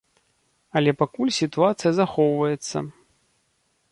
Але пакуль сітуацыя захоўваецца.